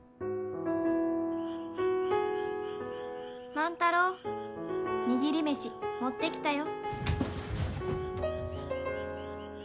・万太郎握り飯持ってきたよ。